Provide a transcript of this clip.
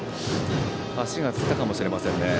足がつったかもしれませんね。